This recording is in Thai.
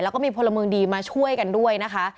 แล้วก็มีพลเมืองดีมาช่วยกันด้วยนะคะ